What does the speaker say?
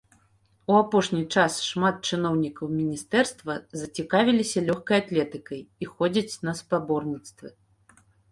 У апошні час шмат чыноўнікаў міністэрства зацікавіліся лёгкай атлетыкай і ходзяць на спаборніцтвы.